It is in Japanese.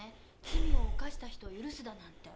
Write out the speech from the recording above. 罪を犯した人を許すだなんて。